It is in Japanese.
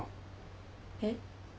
えっ？